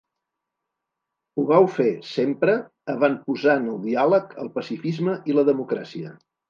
Ho vau fer, sempre, avantposant el diàleg, el pacifisme i la democràcia.